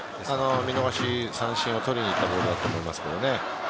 見逃し三振を取りに行ったボールだと思いますけどね。